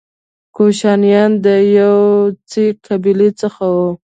کوشانیان د یوچي قبیلې څخه وو